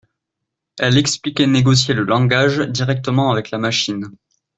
Elle expliquait négocier le langage directement avec la machine.